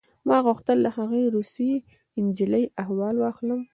ما غوښتل د هغې روسۍ نجلۍ احوال واخلم